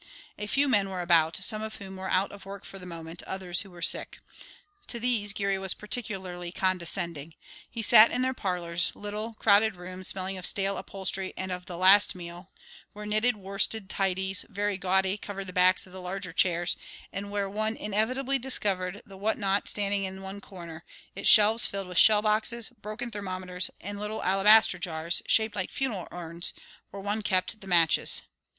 A few men were about, some of whom were out of work for the moment; others who were sick. To these Geary was particularly condescending. He sat in their parlours, little, crowded rooms, smelling of stale upholstery and of the last meal, where knitted worsted tidies, very gaudy, covered the backs of the larger chairs and where one inevitably discovered the whatnot standing in one corner, its shelves filled with shell boxes, broken thermometers and little alabaster jars, shaped like funeral urns, where one kept the matches.